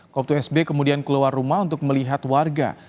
kop dua sb kemudian keluar rumah untuk melihat warga